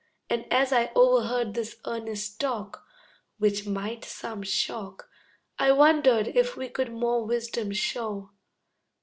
And as I overheard this earnest talk, Which might some shock, I wondered if we could more wisdom show.